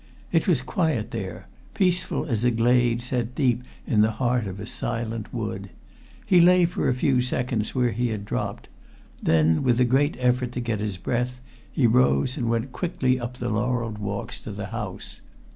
It was quiet there peaceful as a glade set deep in the heart of a silent wood. He lay for a few seconds where he had dropped; then, with a great effort to get his breath, he rose and went quickly up the laurelled walks towards the house.